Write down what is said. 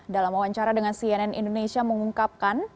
dalam wawancara dengan cnn indonesia mengungkapkan